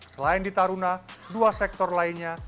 selain di taruna dua sektor lainnya